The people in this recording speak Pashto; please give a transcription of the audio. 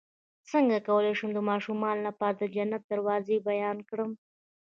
څنګه کولی شم د ماشومانو لپاره د جنت دروازې بیان کړم